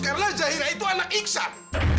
karena cahira itu anak iksan